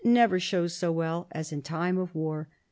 never shows so well as in time of war.